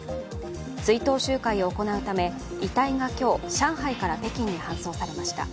追悼集会を行うため遺体が今日、上海から北京に搬送されました。